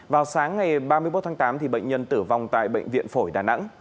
vào sáng ngày ba mươi một tháng tám bệnh nhân tử vong tại bệnh viện phổi đà nẵng